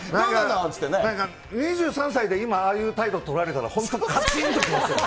２３歳で今、ああいう態度取られたら、本当、カチンときますよね。